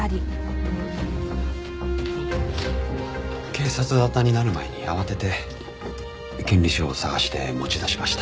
警察沙汰になる前に慌てて権利書を捜して持ち出しました。